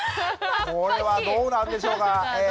これはどうなんでしょうか？